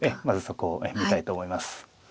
まずそこを見たいと思います。